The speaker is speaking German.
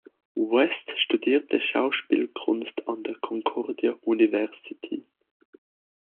West studierte Schauspielkunst an der Concordia University.